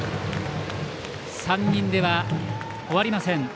３人では終わりません。